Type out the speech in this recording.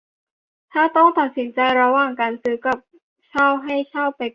ถ้าต้องตัดสินใจระหว่างการซื้อกับเช่าให้เช่าไปก่อน